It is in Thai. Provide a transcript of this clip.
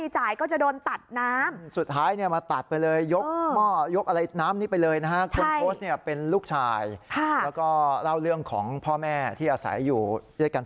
ใช่ไม่เอาบินไม่มาดูมิตเตอร์